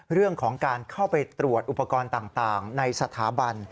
เรื่องของการเข้าไปตรวจอุปกรณ์ต่างในสถาบัน